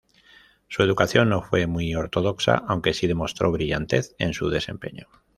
Su educación no fue muy ortodoxa, aunque sí demostró brillantez en su desempeño.